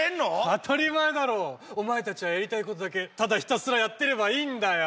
当たり前だろお前達はやりたいことだけただひたすらやってればいいんだよ